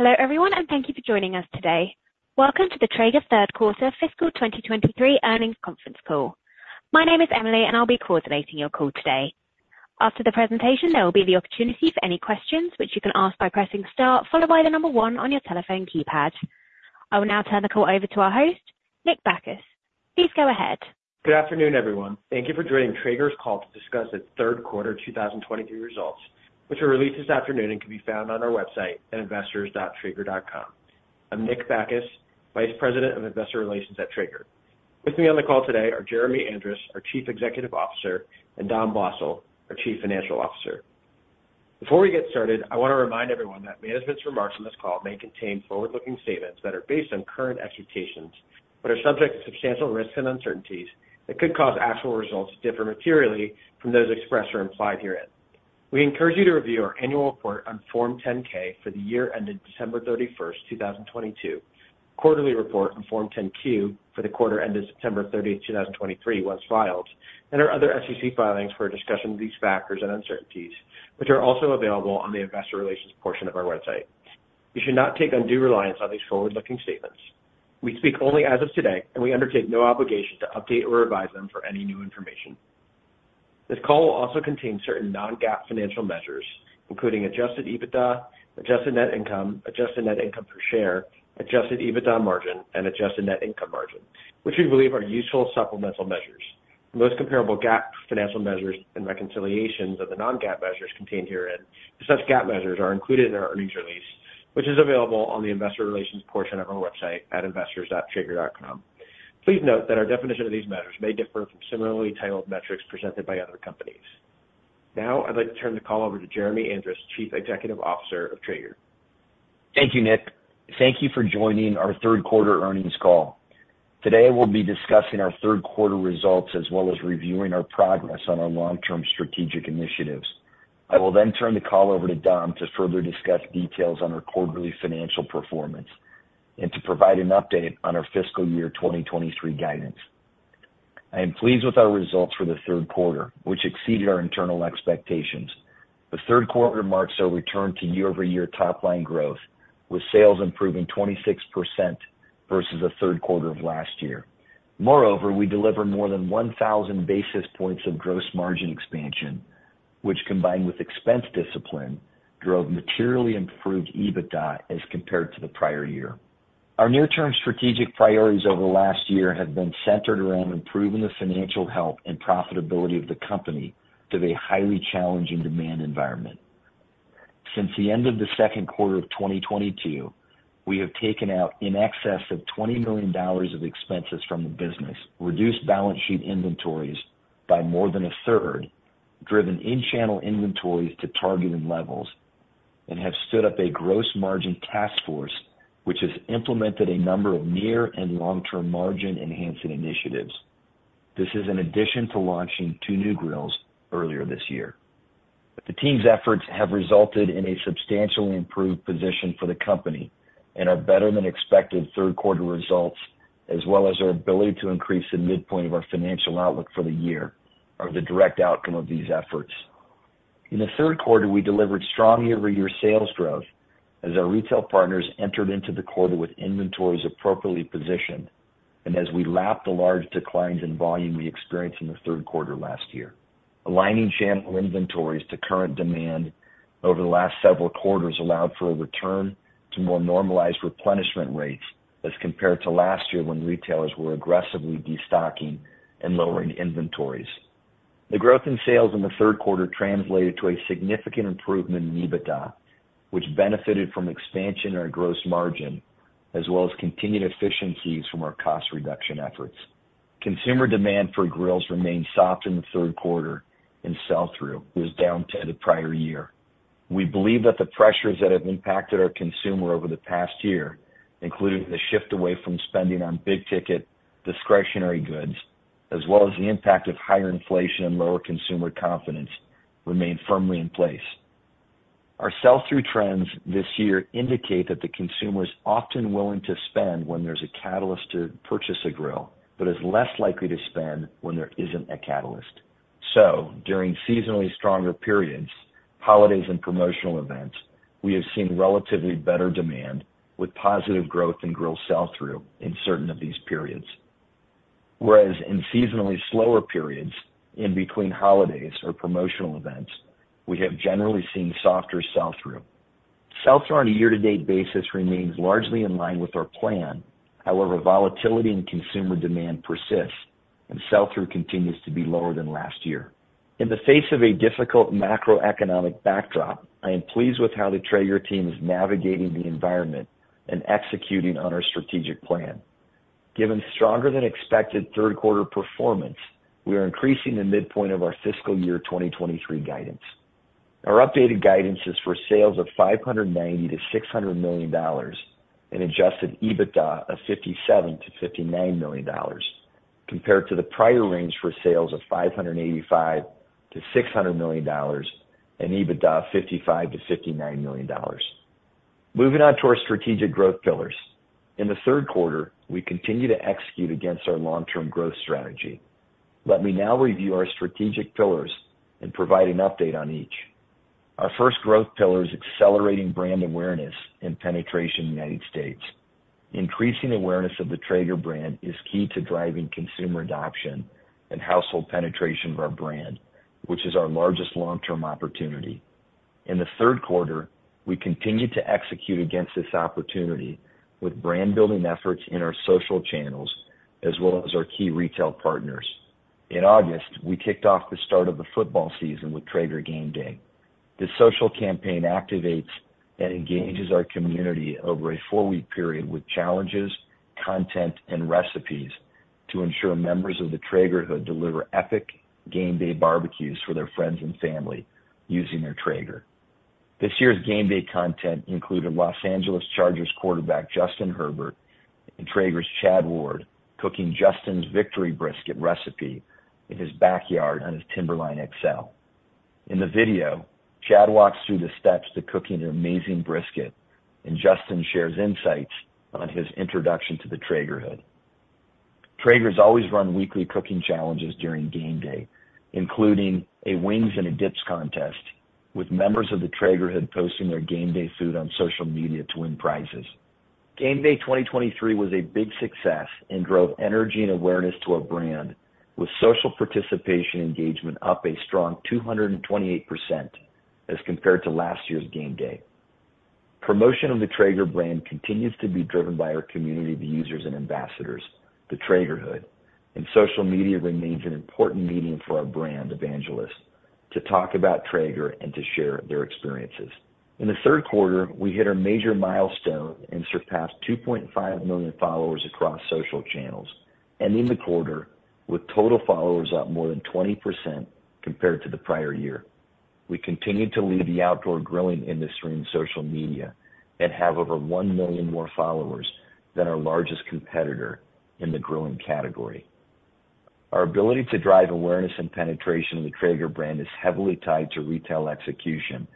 Hello, everyone, and thank you for joining us today. Welcome to the Traeger Third Quarter Fiscal 2023 Earnings Conference Call. My name is Emily, and I'll be coordinating your call today. After the presentation, there will be the opportunity for any questions, which you can ask by pressing Star, followed by the number 1 on your telephone keypad. I will now turn the call over to our host, Nick Bacchus. Please go ahead. Good afternoon, everyone. Thank you for joining Traeger's call to discuss its third quarter 2023 results, which were released this afternoon and can be found on our website at investors.traeger.com. I'm Nick Bacchus, Vice President of Investor Relations at Traeger. With me on the call today are Jeremy Andrus, our Chief Executive Officer, and Dom Blosil, our Chief Financial Officer. Before we get started, I want to remind everyone that management's remarks on this call may contain forward-looking statements that are based on current expectations, but are subject to substantial risks and uncertainties that could cause actual results to differ materially from those expressed or implied herein. We encourage you to review our annual report on Form 10-K for the year ended December 31, 2022, quarterly report on Form 10-Q for the quarter ended September 30, 2023, once filed, and our other SEC filings for a discussion of these factors and uncertainties, which are also available on the investor relations portion of our website. You should not take undue reliance on these forward-looking statements. We speak only as of today, and we undertake no obligation to update or revise them for any new information. This call will also contain certain non-GAAP financial measures, including Adjusted EBITDA, Adjusted Net Income, Adjusted Net Income per share, Adjusted EBITDA Margin, and Adjusted Net Income Margin, which we believe are useful supplemental measures. The most comparable GAAP financial measures and reconciliations of the non-GAAP measures contained herein to such GAAP measures are included in our earnings release, which is available on the investor relations portion of our website at investors.traeger.com. Please note that our definition of these measures may differ from similarly titled metrics presented by other companies. Now, I'd like to turn the call over to Jeremy Andrus, Chief Executive Officer of Traeger. Thank you, Nick. Thank you for joining our third quarter earnings call. Today, we'll be discussing our third quarter results, as well as reviewing our progress on our long-term strategic initiatives. I will then turn the call over to Dom to further discuss details on our quarterly financial performance and to provide an update on our fiscal year 2023 guidance. I am pleased with our results for the third quarter, which exceeded our internal expectations. The third quarter marks our return to year-over-year top-line growth, with sales improving 26% versus the third quarter of last year. Moreover, we delivered more than 1,000 basis points of gross margin expansion, which, combined with expense discipline, drove materially improved EBITDA as compared to the prior year. Our near-term strategic priorities over the last year have been centered around improving the financial health and profitability of the company to a highly challenging demand environment. Since the end of the second quarter of 2022, we have taken out in excess of $20 million of expenses from the business, reduced balance sheet inventories by more than a third, driven in-channel inventories to targeted levels, and have stood up a gross margin task force, which has implemented a number of near- and long-term margin-enhancing initiatives. This is in addition to launching two new grills earlier this year. The team's efforts have resulted in a substantially improved position for the company and our better-than-expected third quarter results, as well as our ability to increase the midpoint of our financial outlook for the year, are the direct outcome of these efforts. In the third quarter, we delivered strong year-over-year sales growth as our retail partners entered into the quarter with inventories appropriately positioned and as we lapped the large declines in volume we experienced in the third quarter last year. Aligning channel inventories to current demand over the last several quarters allowed for a return to more normalized replenishment rates as compared to last year, when retailers were aggressively destocking and lowering inventories. The growth in sales in the third quarter translated to a significant improvement in EBITDA, which benefited from expansion in our Gross Margin, as well as continued efficiencies from our cost reduction efforts. Consumer demand for grills remained soft in the third quarter, and Sell-Through was down to the prior year. We believe that the pressures that have impacted our consumer over the past year, including the shift away from spending on big-ticket discretionary goods, as well as the impact of higher inflation and lower consumer confidence, remain firmly in place. Our sell-through trends this year indicate that the consumer is often willing to spend when there's a catalyst to purchase a grill, but is less likely to spend when there isn't a catalyst. During seasonally stronger periods, holidays, and promotional events, we have seen relatively better demand, with positive growth in grill sell-through in certain of these periods. Whereas in seasonally slower periods, in between holidays or promotional events, we have generally seen softer sell-through. Sell-through on a year-to-date basis remains largely in line with our plan. However, volatility in consumer demand persists, and sell-through continues to be lower than last year. In the face of a difficult macroeconomic backdrop, I am pleased with how the Traeger team is navigating the environment and executing on our strategic plan. Given stronger-than-expected third quarter performance, we are increasing the midpoint of our fiscal year 2023 guidance. Our updated guidance is for sales of $590 million-$600 million and Adjusted EBITDA of $57 million-$59 million, compared to the prior range for sales of $585 million-$600 million and EBITDA, $55 million-$59 million. Moving on to our strategic growth pillars. In the third quarter, we continued to execute against our long-term growth strategy. Let me now review our strategic pillars and provide an update on each. Our first growth pillar is accelerating brand awareness and penetration in the United States. Increasing awareness of the Traeger brand is key to driving consumer adoption and household penetration of our brand, which is our largest long-term opportunity. In the third quarter, we continued to execute against this opportunity with brand building efforts in our social channels, as well as our key retail partners. In August, we kicked off the start of the football season with Traeger Game Day. This social campaign activates and engages our community over a four-week period with challenges, content, and recipes to ensure members of the Traegerhood deliver epic game day barbecues for their friends and family using their Traeger. This year's Game Day content included Los Angeles Chargers quarterback, Justin Herbert, and Traeger's Chad Ward, cooking Justin's victory brisket recipe in his backyard on his Timberline XL. In the video, Chad walks through the steps to cooking an amazing brisket, and Justin shares insights on his introduction to the Traegerhood. Traeger has always run weekly cooking challenges during Game Day, including a wings and a dips contest, with members of the Traegerhood posting their Game Day food on social media to win prizes. Game Day 2023 was a big success and drove energy and awareness to our brand, with social participation engagement up a strong 228% as compared to last year's Game Day. Promotion of the Traeger brand continues to be driven by our community of users and ambassadors, the Traegerhood, and social media remains an important medium for our brand evangelists to talk about Traeger and to share their experiences. In the third quarter, we hit a major milestone and surpassed 2.5 million followers across social channels, and in the quarter, with total followers up more than 20% compared to the prior year. We continued to lead the outdoor grilling industry in social media and have over 1 million more followers than our largest competitor in the grilling category. Our ability to drive awareness and penetration of the Traeger brand is heavily tied to retail execution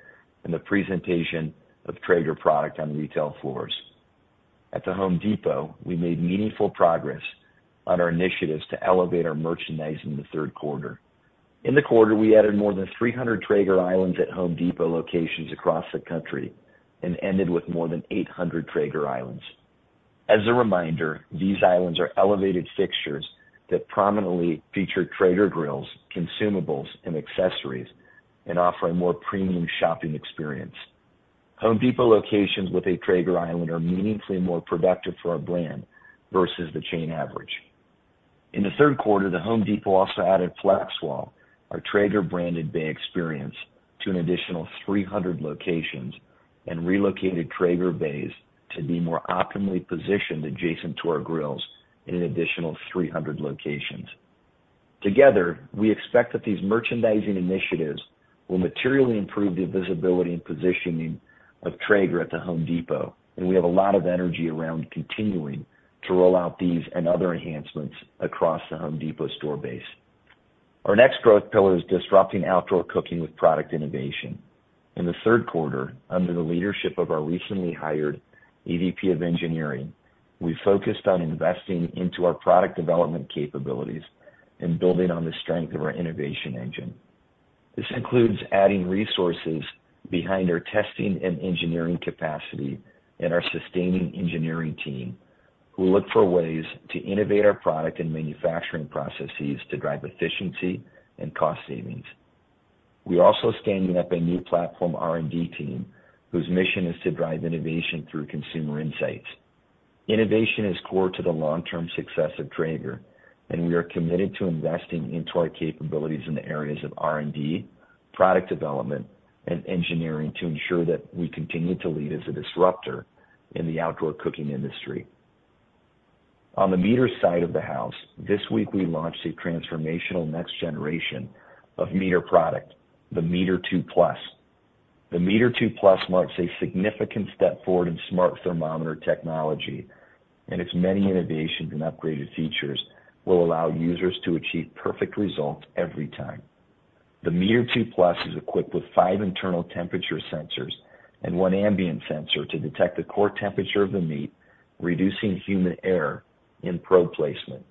and the presentation of Traeger product on retail floors. At the Home Depot, we made meaningful progress on our initiatives to elevate our merchandise in the third quarter. In the quarter, we added more than 300 Traeger Islands at Home Depot locations across the country and ended with more than 800 Traeger Islands. As a reminder, these islands are elevated fixtures that prominently feature Traeger grills, consumables, and accessories, and offer a more premium shopping experience. Home Depot locations with a Traeger island are meaningfully more productive for our brand versus the chain average. In the third quarter, the Home Depot also added FlexWall, our Traeger-branded bay experience, to an additional 300 locations and relocated Traeger bays to be more optimally positioned adjacent to our grills in an additional 300 locations. Together, we expect that these merchandising initiatives will materially improve the visibility and positioning of Traeger at the Home Depot, and we have a lot of energy around continuing to roll out these and other enhancements across the Home Depot store base. Our next growth pillar is disrupting outdoor cooking with product innovation. In the third quarter, under the leadership of our recently hired EVP of engineering, we focused on investing into our product development capabilities and building on the strength of our innovation engine. This includes adding resources behind our testing and engineering capacity and our sustaining engineering team, who look for ways to innovate our product and manufacturing processes to drive efficiency and cost savings. We are also standing up a new platform, R&D team, whose mission is to drive innovation through consumer insights. Innovation is core to the long-term success of Traeger, and we are committed to investing into our capabilities in the areas of R&D, product development, and engineering to ensure that we continue to lead as a disruptor in the outdoor cooking industry. On the MEATER side of the house, this week, we launched a transformational next generation of MEATER product, the MEATER 2 Plus. The MEATER 2 Plus marks a significant step forward in smart thermometer technology, and its many innovations and upgraded features will allow users to achieve perfect results every time. The MEATER 2 Plus is equipped with 5 internal temperature sensors and 1 ambient sensor to detect the core temperature of the meat, reducing human error in probe placement.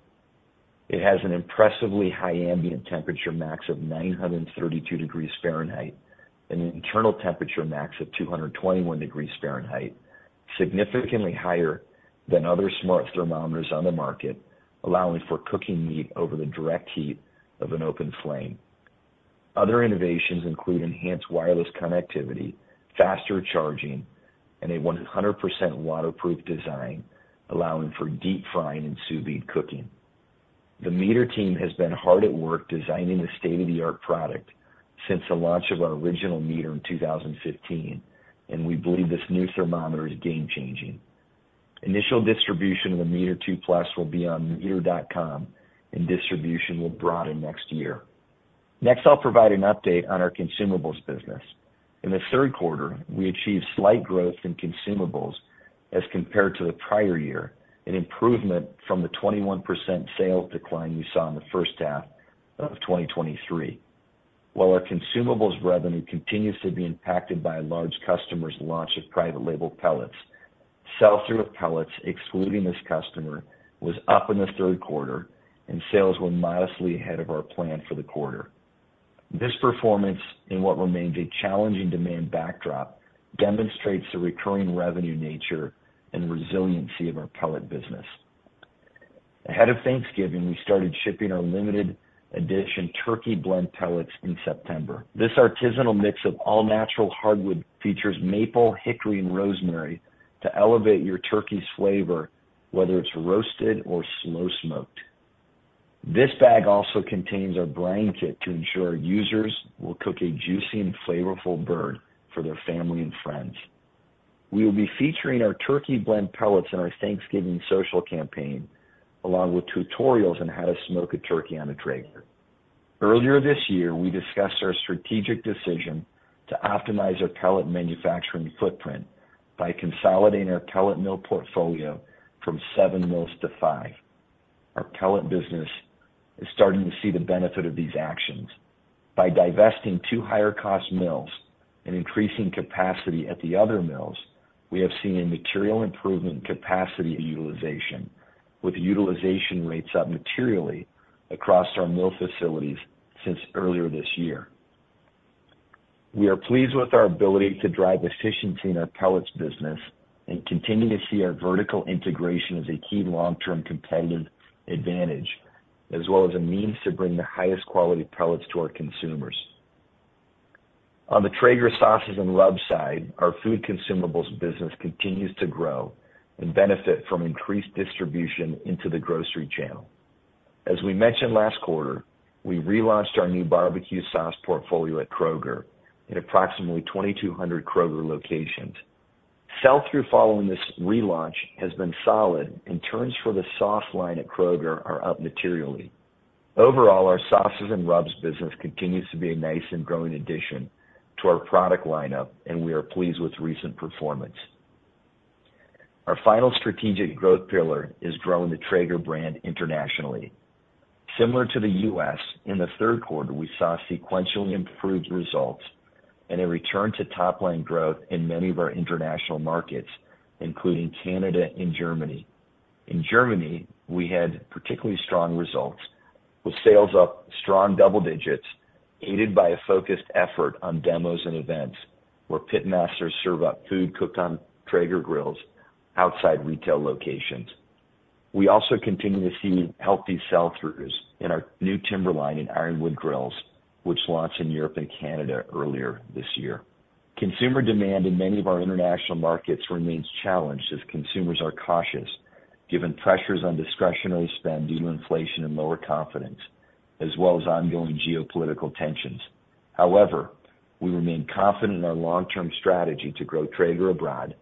It has an impressively high ambient temperature max of 932 degrees Fahrenheit and an internal temperature max of 221 degrees Fahrenheit, significantly higher than other smart thermometers on the market, allowing for cooking meat over the direct heat of an open flame. Other innovations include enhanced wireless connectivity, faster charging, and a 100% waterproof design, allowing for deep frying and sous vide cooking. The MEATER team has been hard at work designing this state-of-the-art product since the launch of our original MEATER in 2015, and we believe this new thermometer is game-changing. Initial distribution of the MEATER 2 Plus will be on meater.com, and distribution will broaden next year. Next, I'll provide an update on our consumables business. In the third quarter, we achieved slight growth in consumables as compared to the prior year, an improvement from the 21% sales decline we saw in the first half of 2023. While our consumables revenue continues to be impacted by a large customer's launch of private label pellets, sell-through of pellets, excluding this customer, was up in the third quarter, and sales were modestly ahead of our plan for the quarter. This performance, in what remains a challenging demand backdrop, demonstrates the recurring revenue nature and resiliency of our pellet business. Ahead of Thanksgiving, we started shipping our limited edition Turkey Blend pellets in September. This artisanal mix of all-natural hardwood features maple, hickory, and rosemary to elevate your turkey's flavor, whether it's roasted or slow-smoked. This bag also contains our brine kit to ensure users will cook a juicy and flavorful bird for their family and friends. We will be featuring our Turkey Blend pellets in our Thanksgiving social campaign, along with tutorials on how to smoke a turkey on a Traeger. Earlier this year, we discussed our strategic decision to optimize our pellet manufacturing footprint by consolidating our pellet mill portfolio from 7 mills to 5. Our pellet business is starting to see the benefit of these actions. By divesting two higher-cost mills and increasing capacity at the other mills, we have seen a material improvement in capacity utilization, with utilization rates up materially across our mill facilities since earlier this year. We are pleased with our ability to drive efficiency in our pellets business and continue to see our vertical integration as a key long-term competitive advantage, as well as a means to bring the highest quality pellets to our consumers. On the Traeger sauces and rubs side, our food consumables business continues to grow and benefit from increased distribution into the grocery channel. As we mentioned last quarter, we relaunched our new barbecue sauce portfolio at Kroger in approximately 2,200 Kroger locations. Sell-through following this relaunch has been solid, and turns for the sauce line at Kroger are up materially. Overall, our sauces and rubs business continues to be a nice and growing addition to our product lineup, and we are pleased with recent performance. Our final strategic growth pillar is growing the Traeger brand internationally. Similar to the U.S., in the third quarter, we saw sequentially improved results and a return to top-line growth in many of our international markets, including Canada and Germany. In Germany, we had particularly strong results, with sales up strong double digits, aided by a focused effort on demos and events, where pit masters serve up food cooked on Traeger grills outside retail locations. We also continue to see healthy sell-throughs in our new Timberline and Ironwood grills, which launched in Europe and Canada earlier this year. Consumer demand in many of our international markets remains challenged as consumers are cautious, given pressures on discretionary spend due to inflation and lower confidence, as well as ongoing geopolitical tensions. However, we remain confident in our long-term strategy to grow Traeger abroad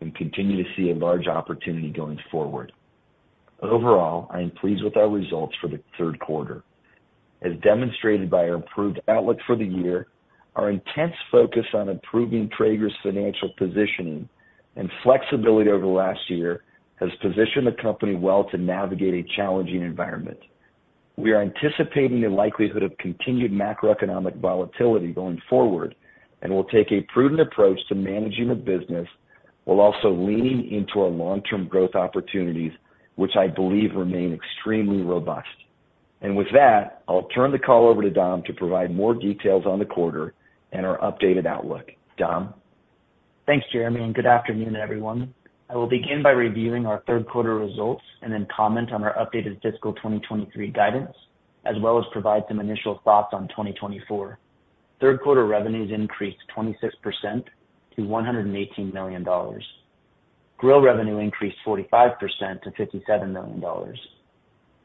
and continue to see a large opportunity going forward. Overall, I am pleased with our results for the third quarter. As demonstrated by our improved outlook for the year, our intense focus on improving Traeger's financial positioning and flexibility over the last year has positioned the company well to navigate a challenging environment. We are anticipating the likelihood of continued macroeconomic volatility going forward and will take a prudent approach to managing the business, while also leaning into our long-term growth opportunities, which I believe remain extremely robust. With that, I'll turn the call over to Dom to provide more details on the quarter and our updated outlook. Dom? Thanks, Jeremy, and good afternoon, everyone. I will begin by reviewing our third quarter results and then comment on our updated fiscal 2023 guidance, as well as provide some initial thoughts on 2024. Third quarter revenues increased 26% to $118 million. Grill revenue increased 45% to $57 million.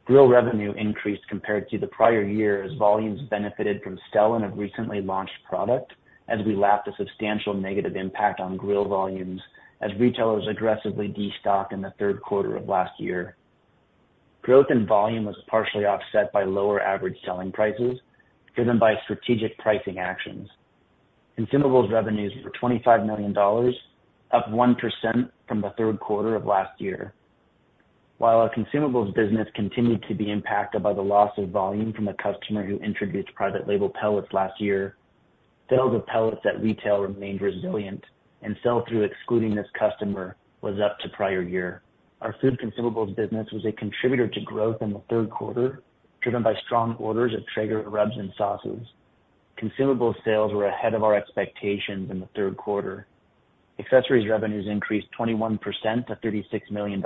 Grill revenue increased compared to the prior year as volumes benefited from sell-in of a recently launched product, as we lapped a substantial negative impact on grill volumes as retailers aggressively destocked in the third quarter of last year. Growth in volume was partially offset by lower average selling prices, driven by strategic pricing actions. Consumables revenues were $25 million, up 1% from the third quarter of last year. While our consumables business continued to be impacted by the loss of volume from a customer who introduced private label pellets last year, sales of pellets at retail remained resilient and sell-through, excluding this customer, was up to prior year. Our food consumables business was a contributor to growth in the third quarter, driven by strong orders of Traeger rubs and sauces. Consumables sales were ahead of our expectations in the third quarter. Accessories revenues increased 21% to $36 million,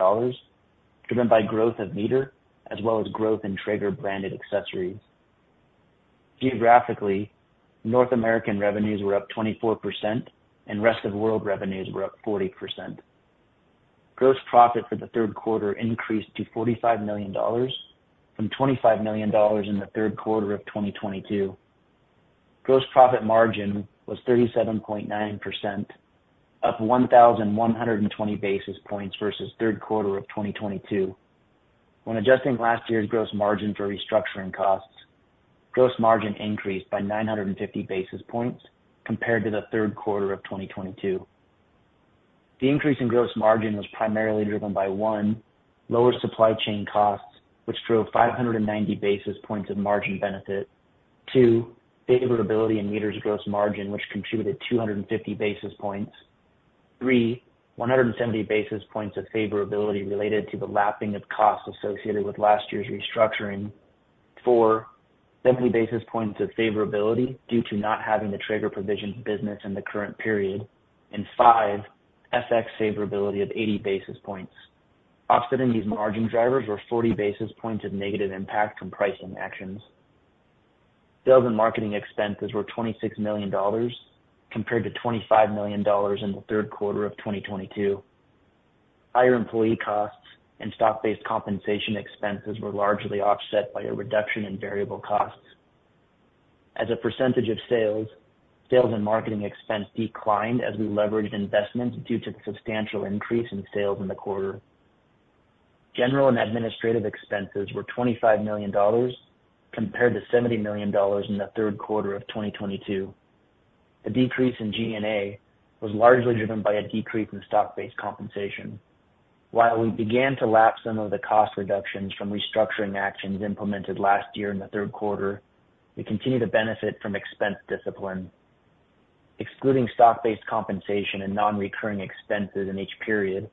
driven by growth of MEATER as well as growth in Traeger-branded accessories. Geographically, North American revenues were up 24%, and rest of world revenues were up 40%. Gross profit for the third quarter increased to $45 million from $25 million in the third quarter of 2022. Gross profit margin was 37.9%, up 1,120 basis points versus third quarter of 2022. When adjusting last year's gross margin for restructuring costs, gross margin increased by 950 basis points compared to the third quarter of 2022. The increase in gross margin was primarily driven by, one, lower supply chain costs, which drove 590 basis points of margin benefit. Two, favorability in MEATER gross margin, which contributed 250 basis points. Three, 170 basis points of favorability related to the lapping of costs associated with last year's restructuring. Four, 70 basis points of favorability due to not having the Traeger Provisions business in the current period. And five, FX favorability of 80 basis points. Offsetting these margin drivers were 40 basis points of negative impact from pricing actions. Sales and marketing expenses were $26 million compared to $25 million in the third quarter of 2022. Higher employee costs and stock-based compensation expenses were largely offset by a reduction in variable costs. As a percentage of sales, sales and marketing expense declined as we leveraged investments due to the substantial increase in sales in the quarter. General and administrative expenses were $25 million compared to $70 million in the third quarter of 2022. The decrease in G&A was largely driven by a decrease in stock-based compensation. While we began to lap some of the cost reductions from restructuring actions implemented last year in the third quarter, we continue to benefit from expense discipline. Excluding stock-based compensation and non-recurring expenses in each period,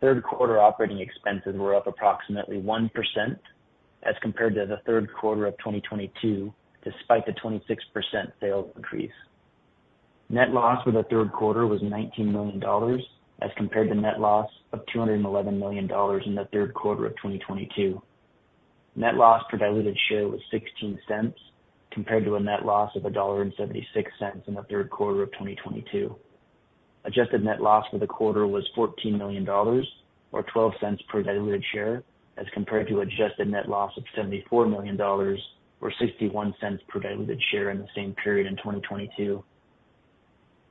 third quarter operating expenses were up approximately 1% as compared to the third quarter of 2022, despite the 26% sales increase. Net loss for the third quarter was $19 million, as compared to net loss of $211 million in the third quarter of 2022. Net loss per diluted share was $0.16, compared to a net loss of $1.76 in the third quarter of 2022. Adjusted net loss for the quarter was $14 million, or $0.12 per diluted share, as compared to adjusted net loss of $74 million, or $0.61 per diluted share in the same period in 2022.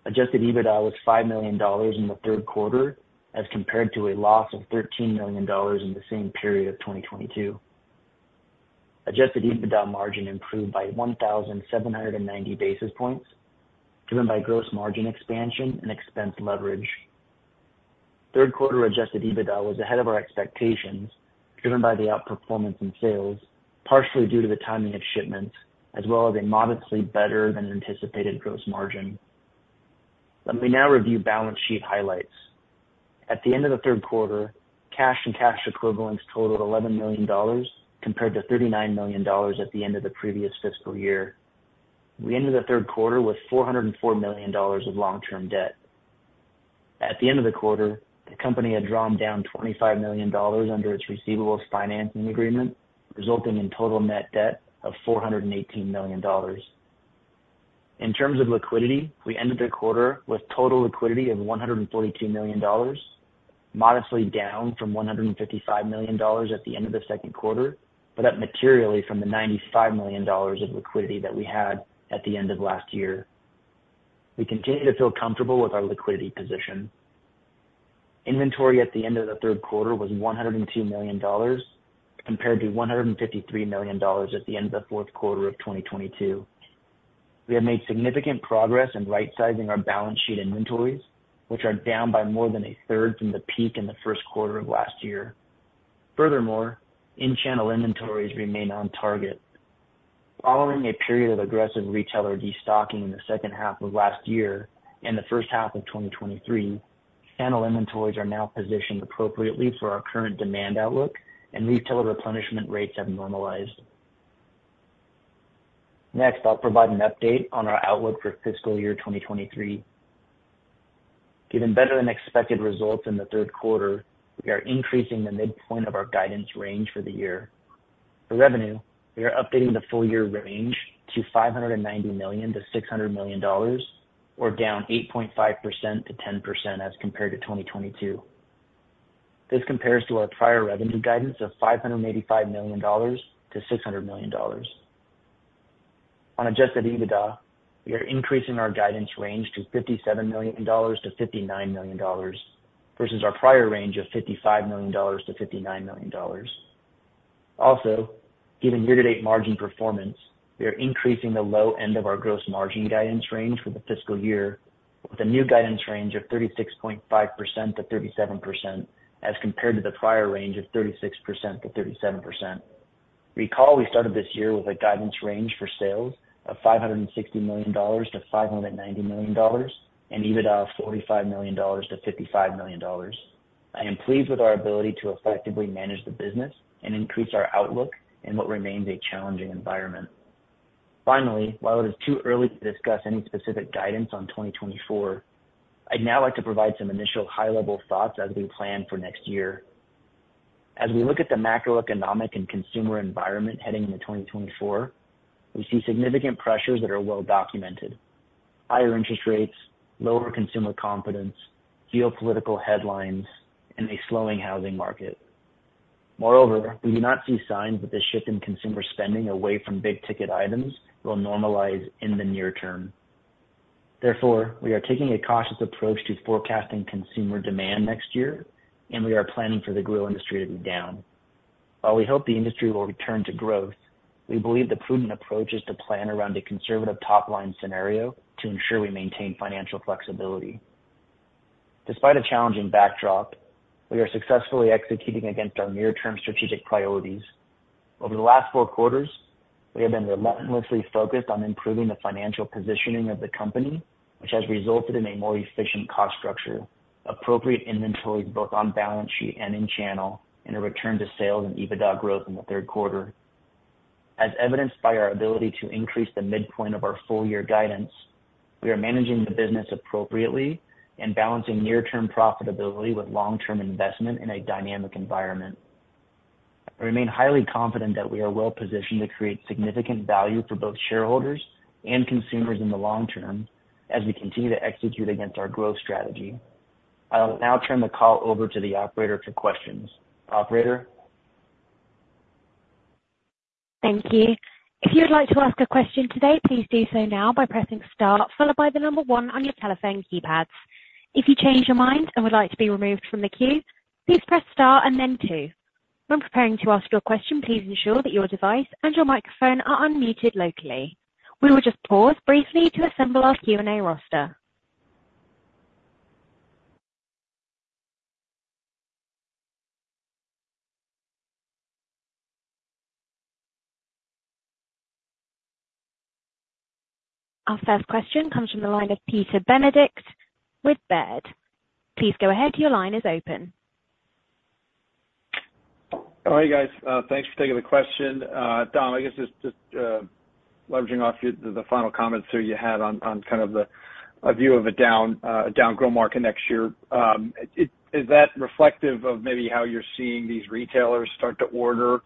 Adjusted EBITDA was $5 million in the third quarter, as compared to a loss of $13 million in the same period of 2022. Adjusted EBITDA margin improved by 1,790 basis points, driven by gross margin expansion and expense leverage. Third quarter adjusted EBITDA was ahead of our expectations, driven by the outperformance in sales, partially due to the timing of shipments, as well as a modestly better than anticipated gross margin. Let me now review balance sheet highlights. At the end of the third quarter, cash and cash equivalents totaled $11 million, compared to $39 million at the end of the previous fiscal year. We ended the third quarter with $404 million of long-term debt. At the end of the quarter, the company had drawn down $25 million under its Receivables Financing Agreement, resulting in total Net Debt of $418 million. In terms of liquidity, we ended the quarter with total liquidity of $142 million, modestly down from $155 million at the end of the second quarter, but up materially from the $95 million of liquidity that we had at the end of last year. We continue to feel comfortable with our liquidity position. Inventory at the end of the third quarter was $102 million, compared to $153 million at the end of the fourth quarter of 2022. We have made significant progress in rightsizing our balance sheet inventories, which are down by more than a third from the peak in the first quarter of last year. Furthermore, in-channel inventories remain on target. Following a period of aggressive retailer destocking in the second half of last year and the first half of 2023, channel inventories are now positioned appropriately for our current demand outlook, and retailer replenishment rates have normalized. Next, I'll provide an update on our outlook for fiscal year 2023. Given better-than-expected results in the third quarter, we are increasing the midpoint of our guidance range for the year. For revenue, we are updating the full year range to $590 million-$600 million, or down 8.5%-10% as compared to 2022. This compares to our prior revenue guidance of $585 million-$600 million. On Adjusted EBITDA, we are increasing our guidance range to $57 million-$59 million, versus our prior range of $55 million-$59 million. Also, given year-to-date margin performance, we are increasing the low end of our gross margin guidance range for the fiscal year, with a new guidance range of 36.5%-37%, as compared to the prior range of 36%-37%. Recall, we started this year with a guidance range for sales of $560 million-$590 million, and EBITDA of $45 million-$55 million. I am pleased with our ability to effectively manage the business and increase our outlook in what remains a challenging environment. Finally, while it is too early to discuss any specific guidance on 2024, I'd now like to provide some initial high-level thoughts as we plan for next year. As we look at the macroeconomic and consumer environment heading into 2024, we see significant pressures that are well documented: higher interest rates, lower consumer confidence, geopolitical headlines, and a slowing housing market. Moreover, we do not see signs that the shift in consumer spending away from big-ticket items will normalize in the near term. Therefore, we are taking a cautious approach to forecasting consumer demand next year, and we are planning for the grill industry to be down.... While we hope the industry will return to growth, we believe the prudent approach is to plan around a conservative top-line scenario to ensure we maintain financial flexibility. Despite a challenging backdrop, we are successfully executing against our near-term strategic priorities. Over the last four quarters, we have been relentlessly focused on improving the financial positioning of the company, which has resulted in a more efficient cost structure, appropriate inventory, both on balance sheet and in channel, and a return to sales and EBITDA growth in the third quarter. As evidenced by our ability to increase the midpoint of our full-year guidance, we are managing the business appropriately and balancing near-term profitability with long-term investment in a dynamic environment. I remain highly confident that we are well positioned to create significant value for both shareholders and consumers in the long term as we continue to execute against our growth strategy. I will now turn the call over to the operator for questions. Operator? Thank you. If you'd like to ask a question today, please do so now by pressing star, followed by the number one on your telephone keypads. If you change your mind and would like to be removed from the queue, please press star and then two. When preparing to ask your question, please ensure that your device and your microphone are unmuted locally. We will just pause briefly to assemble our Q&A roster. Our first question comes from the line of Peter Benedict with Baird. Please go ahead. Your line is open. All right, guys, thanks for taking the question. Dom, I guess just leveraging off your final comments that you had on kind of a view of a down grill market next year. Is that reflective of maybe how you're seeing these retailers start to order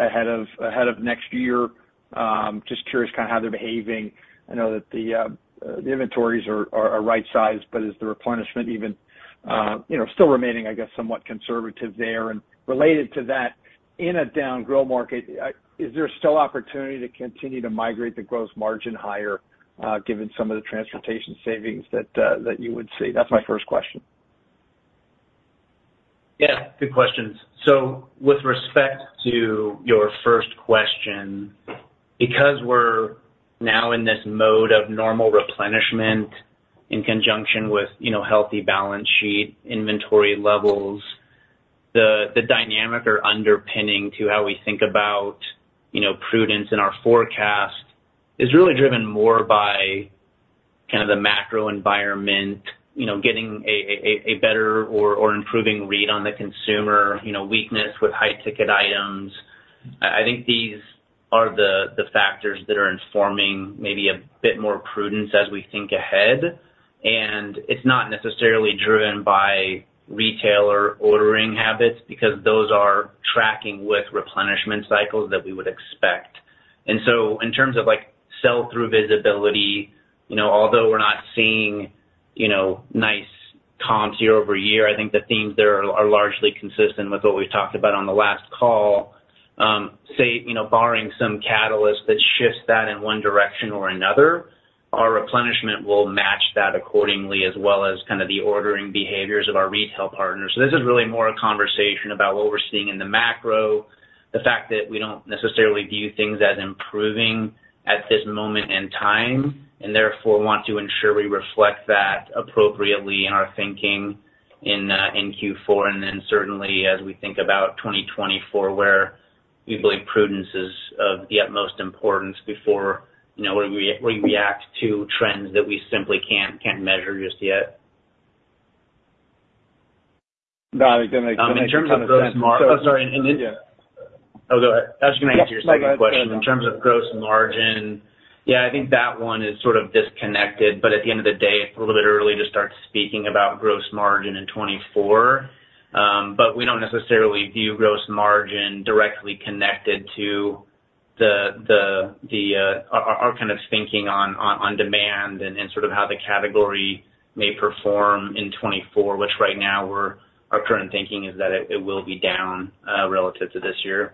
ahead of next year? Just curious kind of how they're behaving. I know that the inventories are right-sized, but is the replenishment even, you know, still remaining, I guess, somewhat conservative there? And related to that, in a down grill market, is there still opportunity to continue to migrate the gross margin higher, given some of the transportation savings that you would see? That's my first question. Yeah, good questions. So with respect to your first question, because we're now in this mode of normal replenishment in conjunction with, you know, healthy balance sheet inventory levels, the dynamic or underpinning to how we think about, you know, prudence in our forecast is really driven more by kind of the macro environment, you know, getting a better or improving read on the consumer, you know, weakness with high-ticket items. I think these are the factors that are informing maybe a bit more prudence as we think ahead, and it's not necessarily driven by retailer ordering habits, because those are tracking with replenishment cycles that we would expect. In terms of, like, sell-through visibility, you know, although we're not seeing, you know, nice comps year-over-year, I think the themes there are largely consistent with what we talked about on the last call. You know, barring some catalyst that shifts that in one direction or another, our replenishment will match that accordingly, as well as kind of the ordering behaviors of our retail partners. This is really more a conversation about what we're seeing in the macro, the fact that we don't necessarily view things as improving at this moment in time, and therefore want to ensure we reflect that appropriately in our thinking in in Q4. Then certainly as we think about 2024, where we believe prudence is of the utmost importance before, you know, we react to trends that we simply can't measure just yet. Got it. That makes a ton of sense. In terms of gross margin... Oh, sorry. Yeah. Oh, go ahead. I was gonna answer your second question. Yeah, go ahead. In terms of Gross Margin, yeah, I think that one is sort of disconnected, but at the end of the day, it's a little bit early to start speaking about Gross Margin in 2024. But we don't necessarily view Gross Margin directly connected to our kind of thinking on demand and sort of how the category may perform in 2024, which right now we're, our current thinking is that it will be down relative to this year.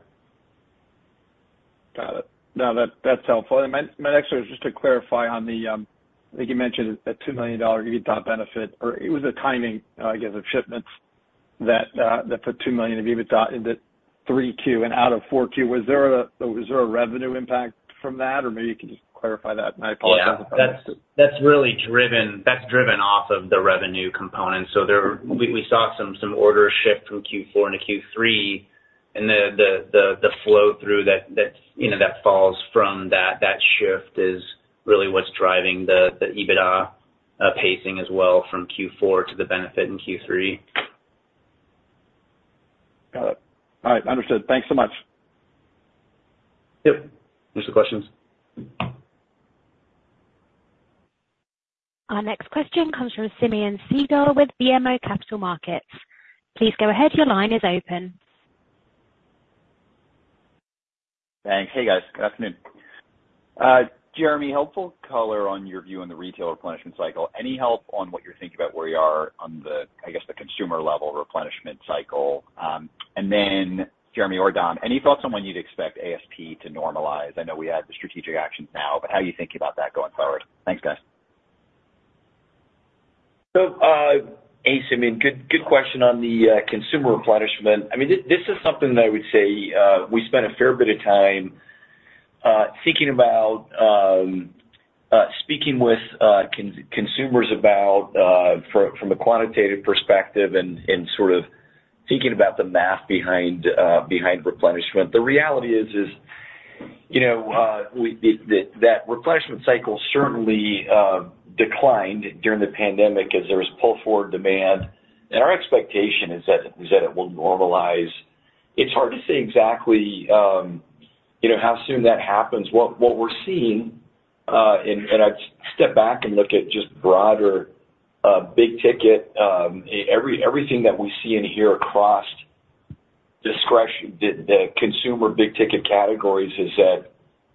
Got it. No, that, that's helpful. And my next one is just to clarify on the, I think you mentioned a $2 million EBITDA benefit, or it was a timing, I guess, of shipments that put $2 million of EBITDA into Q3 and out of Q4. Was there a revenue impact from that? Or maybe you can just clarify that. My apologies if I missed it. Yeah, that's really driven off of the revenue component. So there... We saw some orders shift from Q4 into Q3, and the flow-through that, you know, that falls from that shift is really what's driving the EBITDA pacing as well from Q4 to the benefit in Q3. Got it. All right, understood. Thanks so much! Yep. Those are the questions. Our next question comes from Simeon Siegel with BMO Capital Markets. Please go ahead. Your line is open. Thanks. Hey, guys. Good afternoon. Jeremy, helpful color on your view on the retailer replenishment cycle. Any help on what you're thinking about where you are on the, I guess, the consumer-level replenishment cycle? And then Jeremy or Dom, any thoughts on when you'd expect ASP to normalize? I know we had the strategic actions now, but how are you thinking about that going forward? Thanks, guys.... So, hey, Simeon, good question on the consumer replenishment. I mean, this is something that I would say we spent a fair bit of time thinking about, speaking with consumers about, from a quantitative perspective and sort of thinking about the math behind replenishment. The reality is, you know, that replenishment cycle certainly declined during the pandemic as there was pull forward demand, and our expectation is that it will normalize. It's hard to say exactly, you know, how soon that happens. What we're seeing, and I'd step back and look at just broader big ticket everything that we see in here across discretionary – the consumer big ticket categories, is that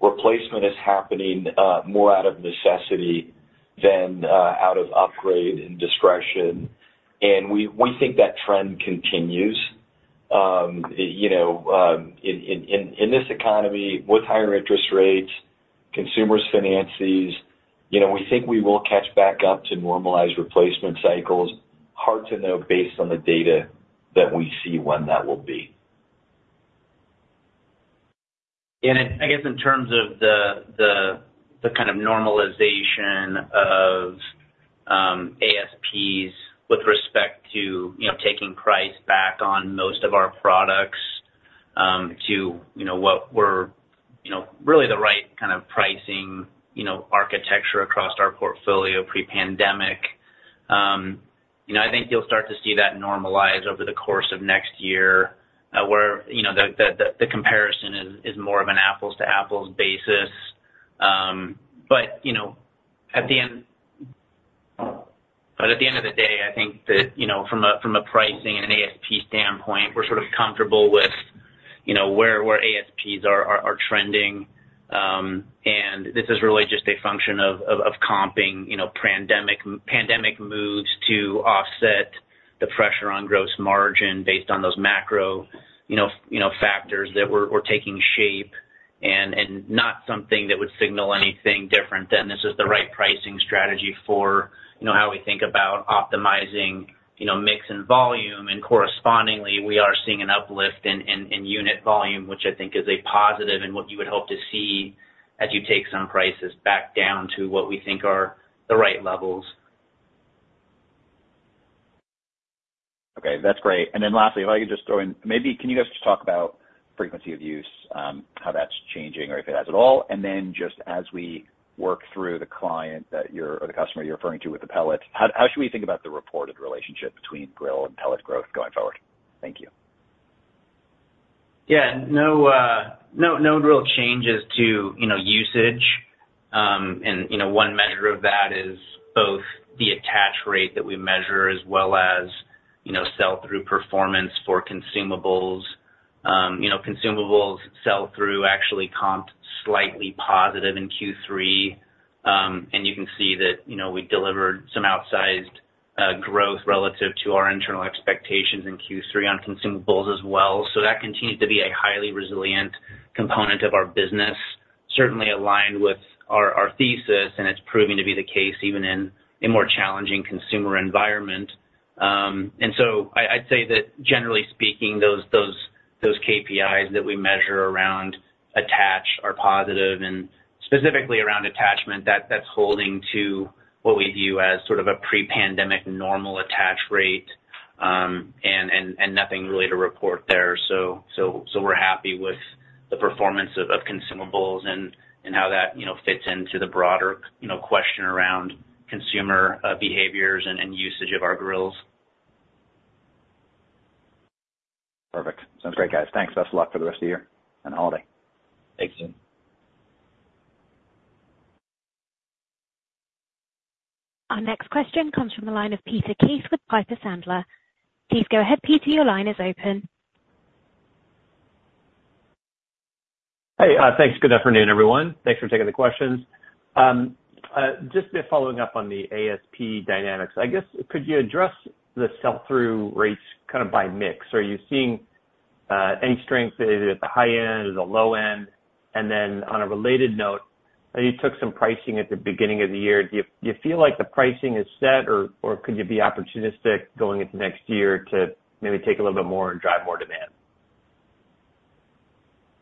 replacement is happening more out of necessity than out of upgrade and discretion. And we think that trend continues. You know, in this economy, with higher interest rates, consumers' finances, you know, we think we will catch back up to normalized replacement cycles. Hard to know based on the data that we see when that will be. And I guess in terms of the kind of normalization of ASPs with respect to, you know, taking price back on most of our products, to, you know, what we're, you know, really the right kind of pricing, you know, architecture across our portfolio pre-pandemic. You know, I think you'll start to see that normalize over the course of next year, where, you know, the comparison is more of an apples to apples basis. But you know, at the end of the day, I think that, you know, from a pricing and an ASP standpoint, we're sort of comfortable with, you know, where ASPs are trending. And this is really just a function of comping, you know, pandemic moves to offset the pressure on gross margin based on those macro, you know, factors that were taking shape and not something that would signal anything different than this is the right pricing strategy for, you know, how we think about optimizing, you know, mix and volume. And correspondingly, we are seeing an uplift in unit volume, which I think is a positive, and what you would hope to see as you take some prices back down to what we think are the right levels. Okay, that's great. And then lastly, if I could just throw in... Maybe can you guys just talk about frequency of use, how that's changing, or if it has at all? And then just as we work through the client that you're, or the customer you're referring to with the pellet, how, how should we think about the reported relationship between grill and pellet growth going forward? Thank you. Yeah. No, no real changes to, you know, usage. And, you know, one measure of that is both the attach rate that we measure, as well as, you know, sell-through performance for consumables. You know, consumables sell-through actually comped slightly positive in Q3. And you can see that, you know, we delivered some outsized growth relative to our internal expectations in Q3 on consumables as well. So that continues to be a highly resilient component of our business, certainly aligned with our thesis, and it's proving to be the case even in a more challenging consumer environment. And so I'd say that generally speaking, those KPIs that we measure around attach are positive and specifically around attachment, that's holding to what we view as sort of a pre-pandemic normal attach rate, and nothing really to report there. So we're happy with the performance of consumables and how that, you know, fits into the broader, you know, question around consumer behaviors and usage of our grills. Perfect. Sounds great, guys. Thanks. Best of luck for the rest of the year and holiday. Thank you. Our next question comes from the line of Peter Keith with Piper Sandler. Please go ahead, Peter. Your line is open. Hey, thanks. Good afternoon, everyone. Thanks for taking the questions. Just following up on the ASP dynamics, I guess, could you address the sell-through rates kind of by mix? Are you seeing any strength at the high end or the low end? And then on a related note, you took some pricing at the beginning of the year. Do you feel like the pricing is set, or could you be opportunistic going into next year to maybe take a little bit more and drive more demand?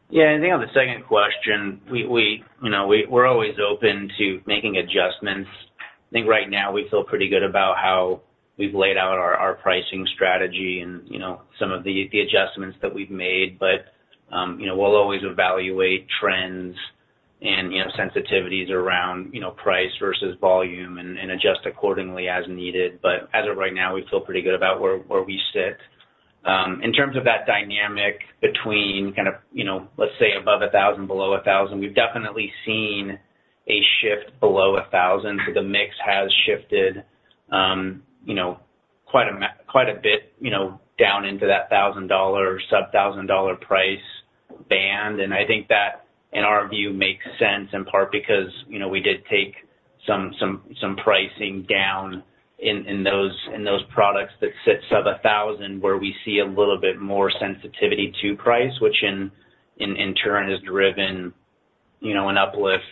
Yeah, I think on the second question, we know we're always open to making adjustments. I think right now we feel pretty good about how we've laid out our pricing strategy and, you know, some of the adjustments that we've made. But, you know, we'll always evaluate trends and, you know, sensitivities around, you know, price versus volume and adjust accordingly as needed. But as of right now, we feel pretty good about where we sit. In terms of that dynamic between kind of, you know, let's say, above $1,000, below $1,000, we've definitely seen a shift below $1,000. So the mix has shifted, you know, quite a bit, you know, down into that $1,000, sub-$1,000 price band. And I think that, in our view, makes sense, in part because, you know, we did take some pricing down in those products that sit sub $1,000, where we see a little bit more sensitivity to price, which in turn has driven, you know, an uplift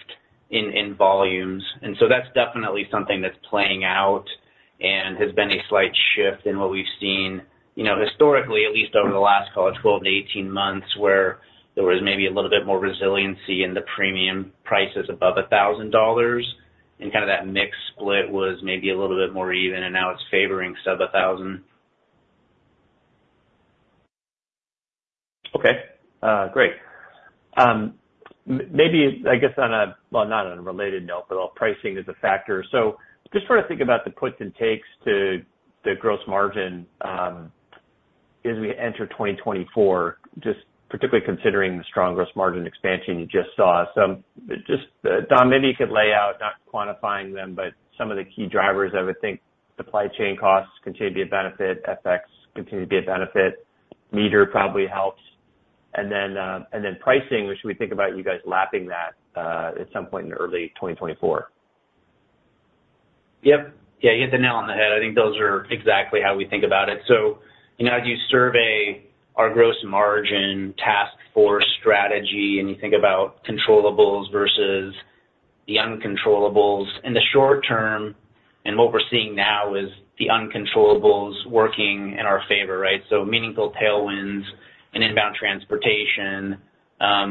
in volumes. And so that's definitely something that's playing out and has been a slight shift in what we've seen, you know, historically, at least over the last, call it, 12-18 months, where there was maybe a little bit more resiliency in the premium prices above $1,000, and kind of that mix split was maybe a little bit more even, and now it's favoring sub $1,000. Okay, great. Well, not on a related note, but pricing is a factor. So just trying to think about the puts and takes to the gross margin, as we enter 2024, just particularly considering the strong gross margin expansion you just saw. So just, Don, maybe you could lay out, not quantifying them, but some of the key drivers, I would think supply chain costs continue to be a benefit, FX continue to be a benefit, MEATER probably helps. And then, and then pricing, which we think about you guys lapping that, at some point in early 2024. Yep. Yeah, you hit the nail on the head. I think those are exactly how we think about it. So, you know, as you survey our gross margin task force strategy, and you think about controllables versus the uncontrollables, in the short term, and what we're seeing now is the uncontrollables working in our favor, right? So meaningful tailwinds and inbound transportation.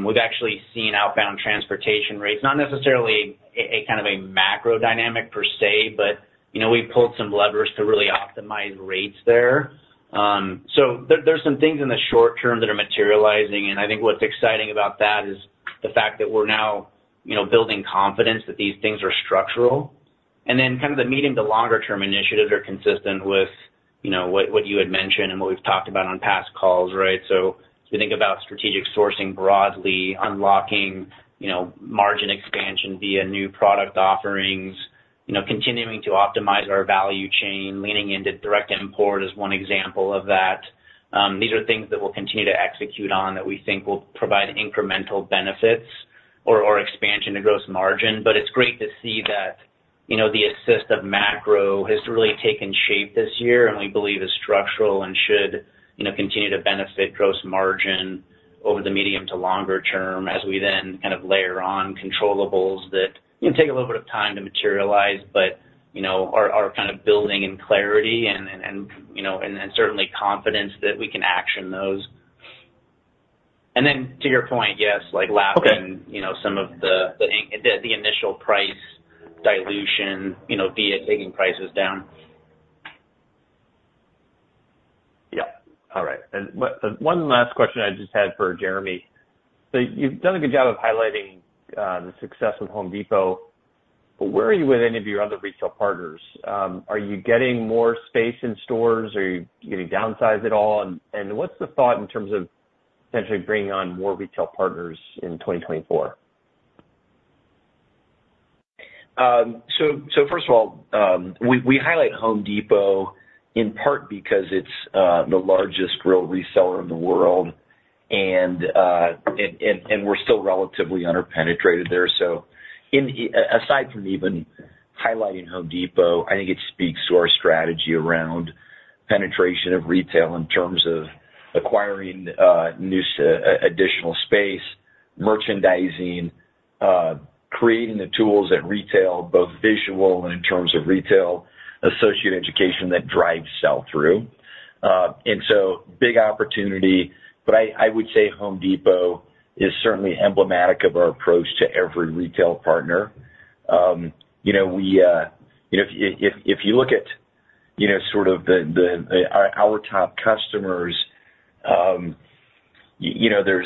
We've actually seen outbound transportation rates, not necessarily a kind of a macro dynamic per se, but, you know, we've pulled some levers to really optimize rates there. So there, there's some things in the short term that are materializing, and I think what's exciting about that is the fact that we're now, you know, building confidence that these things are structural. And then kind of the medium to longer term initiatives are consistent with, you know, what, what you had mentioned and what we've talked about on past calls, right? So if you think about strategic sourcing broadly, unlocking, you know, margin expansion via new product offerings, you know, continuing to optimize our value chain, leaning into direct import is one example of that. These are things that we'll continue to execute on that we think will provide incremental benefits or, or expansion to gross margin. It's great to see that, you know, the assist of macro has really taken shape this year, and we believe is structural and should, you know, continue to benefit gross margin over the medium to longer term as we then kind of layer on controllables that, you know, take a little bit of time to materialize, but, you know, are kind of building in clarity and, you know, and then certainly confidence that we can action those. And then to your point, yes, like lapping- Okay. you know, some of the initial price dilution, you know, be it taking prices down. Yeah. All right. And one last question I just had for Jeremy. So you've done a good job of highlighting the success with Home Depot, but where are you with any of your other retail partners? Are you getting more space in stores? Are you getting downsized at all? And what's the thought in terms of potentially bringing on more retail partners in 2024? So first of all, we highlight Home Depot in part because it's the largest grill reseller in the world, and we're still relatively underpenetrated there. So aside from even highlighting Home Depot, I think it speaks to our strategy around penetration of retail in terms of acquiring new additional space, merchandising, creating the tools at retail, both visual and in terms of retail associate education that drives sell-through. And so, big opportunity, but I would say Home Depot is certainly emblematic of our approach to every retail partner. You know, we, you know, if you look at, you know, sort of our top customers, you know, there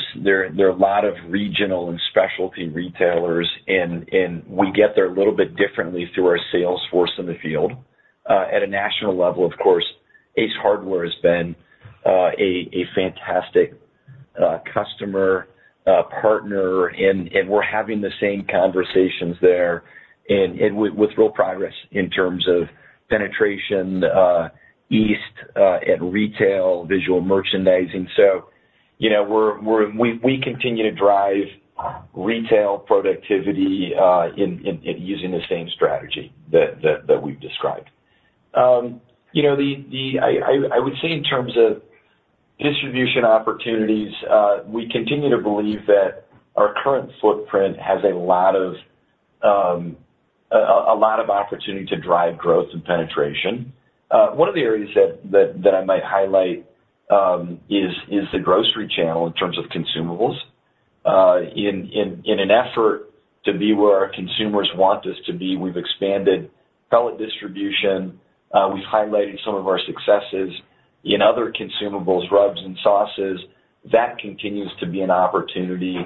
are a lot of regional and specialty retailers, and we get there a little bit differently through our sales force in the field. At a national level, of course, Ace Hardware has been a fantastic customer partner, and we're having the same conversations there, and with real progress in terms of penetration east and retail visual merchandising. So, you know, we continue to drive retail productivity in using the same strategy that we've described. You know, the... I would say in terms of distribution opportunities, we continue to believe that our current footprint has a lot of opportunity to drive growth and penetration. One of the areas that I might highlight is the grocery channel in terms of consumables. In an effort to be where our consumers want us to be, we've expanded pellet distribution. We've highlighted some of our successes in other consumables, rubs and sauces. That continues to be an opportunity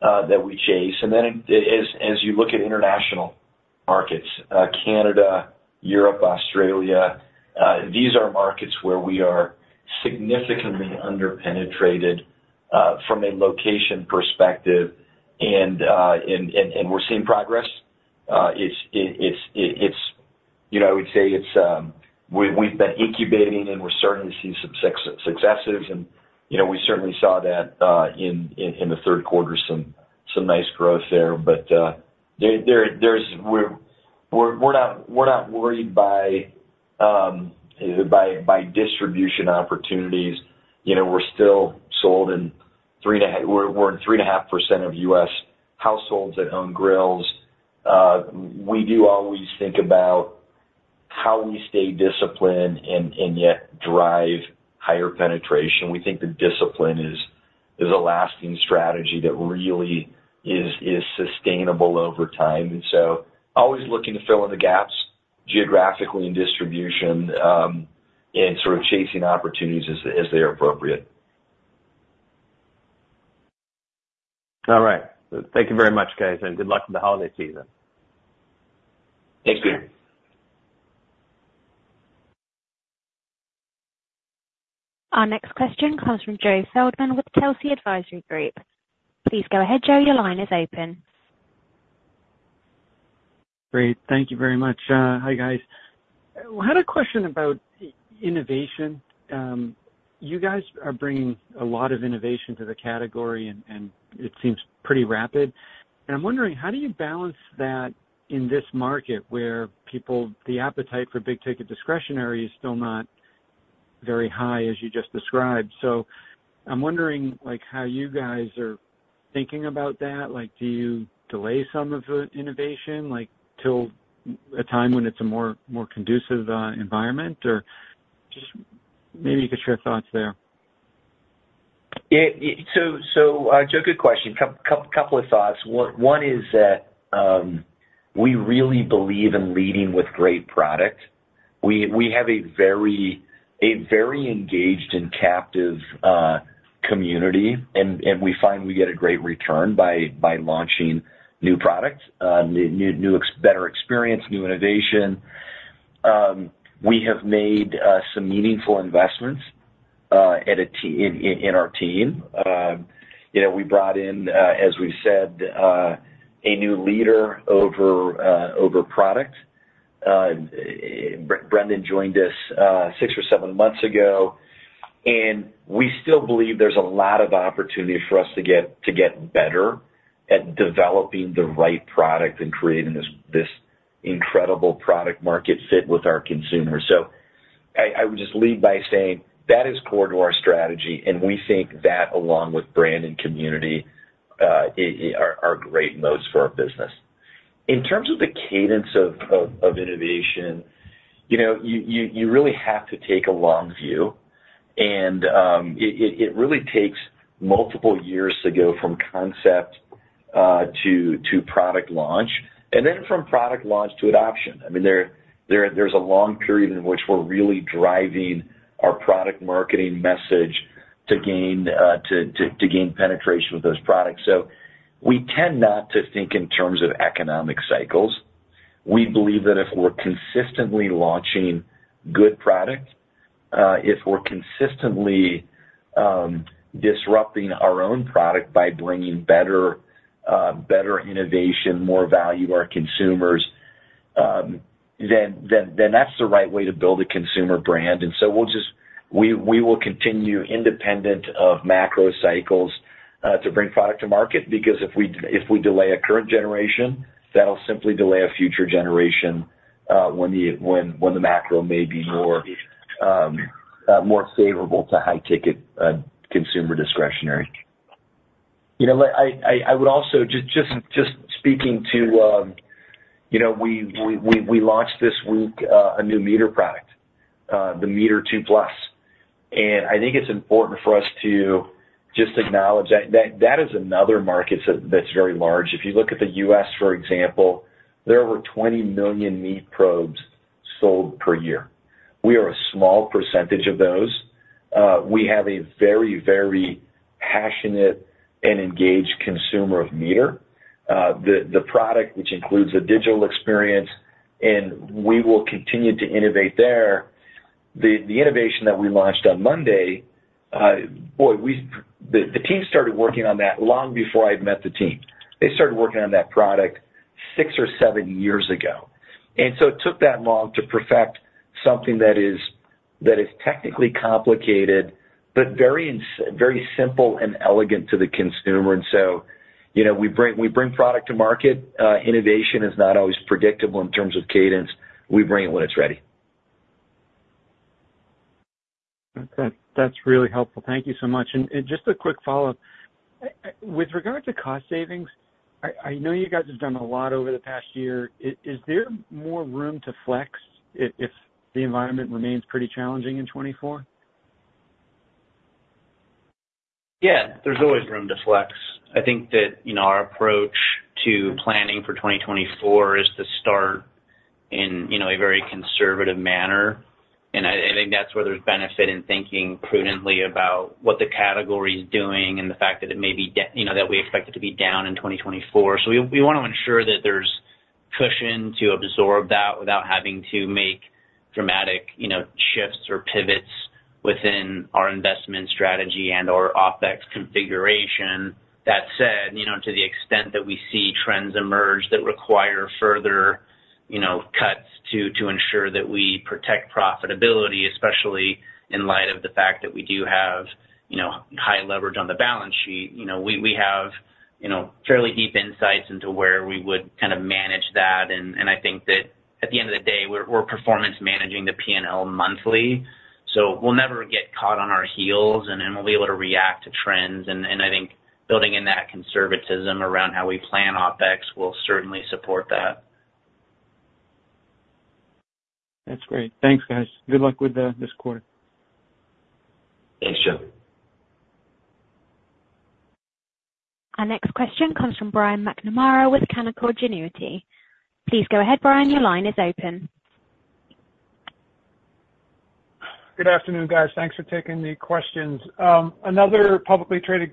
that we chase. And then as you look at international markets, Canada, Europe, Australia, these are markets where we are significantly underpenetrated from a location perspective, and we're seeing progress. It's, you know, I would say it's, we've been incubating, and we're starting to see some successes. And, you know, we certainly saw that in the third quarter, some nice growth there. But, there's, we're not worried by distribution opportunities. You know, we're still sold in 3.5%, we're in 3.5% of U.S. households that own grills. We do always think about how we stay disciplined and yet drive higher penetration. We think that discipline is a lasting strategy that really is sustainable over time. And so always looking to fill in the gaps geographically in distribution, and sort of chasing opportunities as they are appropriate. All right. Thank you very much, guys, and good luck in the holiday season. Thanks. Our next question comes from Joe Feldman with Telsey Advisory Group. Please go ahead, Joe, your line is open. Great. Thank you very much. Hi, guys. I had a question about innovation. You guys are bringing a lot of innovation to the category, and it seems pretty rapid. And I'm wondering, how do you balance that in this market where people... the appetite for big-ticket discretionary is still not very high, as you just described. So I'm wondering, like, how you guys are thinking about that. Like, do you delay some of the innovation, like, till a time when it's a more conducive environment? Or just maybe you could share your thoughts there. So, Joe, good question. Couple of thoughts. One is that, we really believe in leading with great product. We have a very engaged and captive community, and we find we get a great return by launching new products, new better experience, new innovation. We have made some meaningful investments in our team. You know, we brought in, as we've said, a new leader over product. Brendan joined us six or seven months ago, and we still believe there's a lot of opportunity for us to get better at developing the right product and creating this incredible product market fit with our consumers. So I would just lead by saying that is core to our strategy, and we think that, along with brand and community, are great modes for our business. In terms of the cadence of innovation, you know, you really have to take a long view. It really takes multiple years to go from concept to product launch and then from product launch to adoption. I mean, there's a long period in which we're really driving our product marketing message to gain penetration with those products. So we tend not to think in terms of economic cycles. We believe that if we're consistently launching good product, if we're consistently, disrupting our own product by bringing better, better innovation, more value to our consumers, then, then, then that's the right way to build a consumer brand. And so we'll just-- we, we will continue independent of macro cycles, to bring product to market, because if we, if we delay a current generation, that'll simply delay a future generation, when the, when, when the macro may be more, more favorable to high-ticket, consumer discretionary. You know, let-- I, I, I would also just, just, just speaking to, you know, we, we, we, we launched this week, a new MEATER product, the MEATER 2 Plus. And I think it's important for us to just acknowledge that, that is another market that, that's very large. If you look at the U.S., for example, there are over 20 million meat probes sold per year. We are a small percentage of those. We have a very, very passionate and engaged consumer of MEATER, the product, which includes a digital experience, and we will continue to innovate there. The innovation that we launched on Monday, boy, the team started working on that long before I'd met the team. They started working on that product six or seven years ago, and so it took that long to perfect something that is technically complicated, but very simple and elegant to the consumer. And so, you know, we bring product to market. Innovation is not always predictable in terms of cadence. We bring it when it's ready. Okay. That's really helpful. Thank you so much. And just a quick follow-up. With regard to cost savings, I know you guys have done a lot over the past year. Is there more room to flex if the environment remains pretty challenging in 2024? Yeah, there's always room to flex. I think that, you know, our approach to planning for 2024 is to start in, you know, a very conservative manner, and I, I think that's where there's benefit in thinking prudently about what the category is doing and the fact that it may be down, you know, that we expect it to be down in 2024. So we, we wanna ensure that there's cushion to absorb that without having to make dramatic, you know, shifts or pivots within our investment strategy and/or OpEx configuration. That said, you know, to the extent that we see trends emerge that require further, you know, cuts to ensure that we protect profitability, especially in light of the fact that we do have, you know, high leverage on the balance sheet. You know, we have fairly deep insights into where we would kind of manage that. And I think that at the end of the day, we're performance managing the P&L monthly, so we'll never get caught on our heels, and we'll be able to react to trends. And I think building in that conservatism around how we plan OpEx will certainly support that. That's great. Thanks, guys. Good luck with this quarter. Thanks, Joe. Our next question comes from Brian McNamara with Canaccord Genuity. Please go ahead, Brian, your line is open. Good afternoon, guys. Thanks for taking the questions. Another publicly traded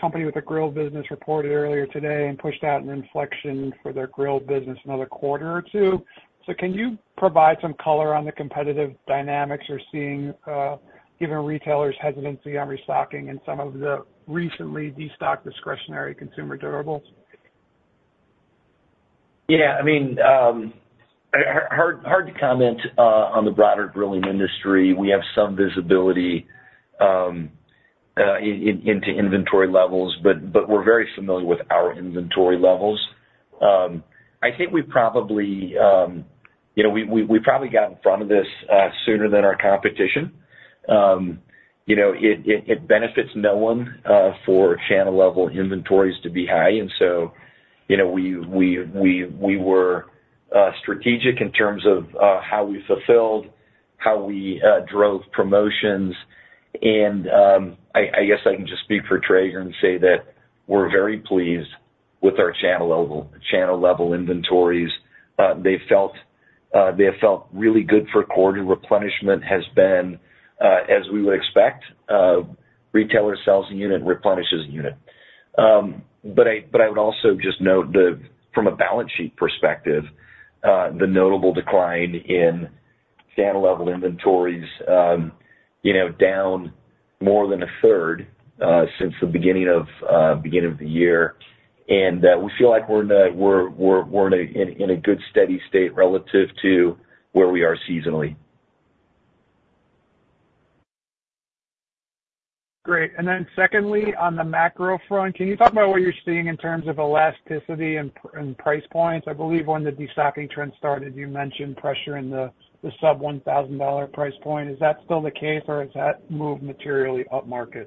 company with a grill business reported earlier today and pushed out an inflection for their grill business another quarter or two. So can you provide some color on the competitive dynamics you're seeing, given retailers' hesitancy on restocking in some of the recently destocked discretionary consumer durables? Yeah, I mean, hard to comment on the broader grilling industry. We have some visibility into inventory levels, but we're very familiar with our inventory levels. I think we probably, you know, got in front of this sooner than our competition. You know, it benefits no one for channel-level inventories to be high. And so, you know, we were strategic in terms of how we fulfilled, how we drove promotions. And I guess I can just speak for Traeger and say that we're very pleased with our channel-level inventories. They have felt really good for quarter replenishment, has been as we would expect, retailer sells a unit, replenishes a unit. But I would also just note that from a balance sheet perspective, the notable decline in channel-level inventories, you know, down more than a third, since the beginning of the year. And we feel like we're in a good, steady state relative to where we are seasonally. Great. And then secondly, on the macro front, can you talk about what you're seeing in terms of elasticity and price points? I believe when the destocking trend started, you mentioned pressure in the sub-$1,000 price point. Is that still the case, or has that moved materially upmarket?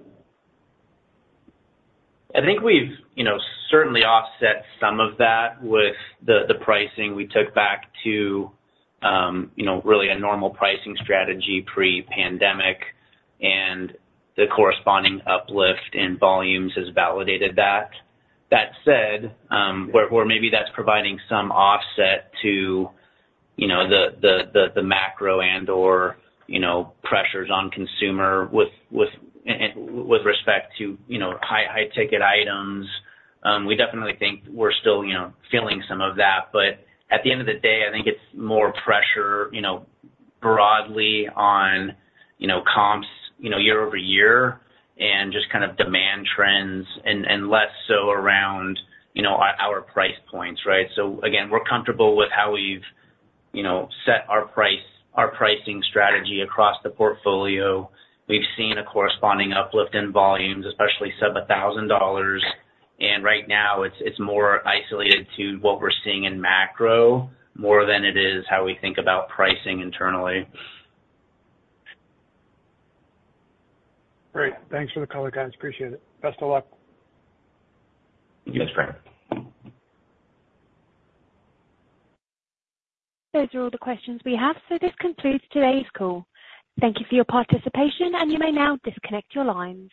I think we've, you know, certainly offset some of that with the pricing we took back to, you know, really a normal pricing strategy pre-pandemic, and the corresponding uplift in volumes has validated that. That said, or maybe that's providing some offset to, you know, the macro and/or, you know, pressures on consumer with respect to, you know, high-ticket items. We definitely think we're still, you know, feeling some of that, but at the end of the day, I think it's more pressure, you know, broadly on, you know, comps, you know, year-over-year and just kind of demand trends and less so around, you know, our price points, right? So again, we're comfortable with how we've, you know, set our pricing strategy across the portfolio. We've seen a corresponding uplift in volumes, especially sub-$1,000. Right now, it's, it's more isolated to what we're seeing in macro more than it is how we think about pricing internally. Great. Thanks for the color, guys. Appreciate it. Best of luck. Thanks, Frank. Those are all the questions we have, so this concludes today's call. Thank you for your participation, and you may now disconnect your lines.